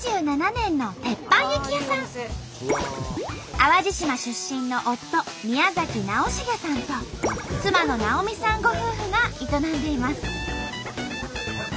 淡路島出身の夫宮崎尚成さんと妻のなおみさんご夫婦が営んでいます。